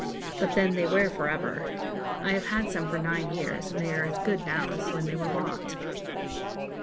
But then they wear for ever. I have had some for nine years, and they are as good now as when they were bought.